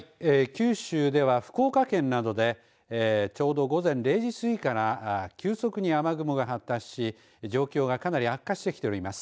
九州では福岡県などでちょうど午前０時過ぎから急速に雨雲が発達し状況がかなり悪化してきております。